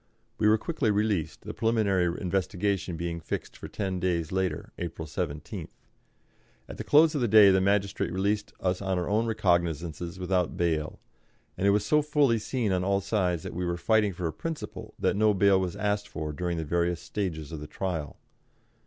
We were quickly released, the preliminary investigation being fixed for ten days later April 17th. At the close of the day the magistrate released us on our own recognisances, without bail; and it was so fully seen on all sides that we were fighting for a principle that no bail was asked for during the various stages of the trial.